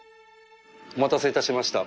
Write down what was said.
お待たせいたしました。